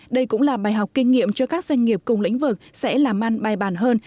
đây cũng là bài học kinh nghiệm cho các doanh nghiệp cùng lĩnh vực sẽ làm ăn bài bản hơn